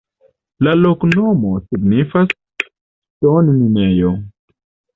La loknomo signifas: ŝtonminejo.